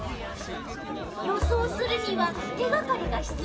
予想するには手がかりがひつようよね。